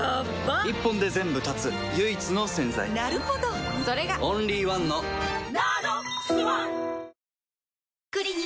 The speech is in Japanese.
一本で全部断つ唯一の洗剤なるほどそれがオンリーワンの「ＮＡＮＯＸｏｎｅ」